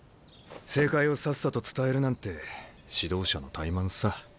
正解をさっさと伝えるなんて指導者の怠慢さ。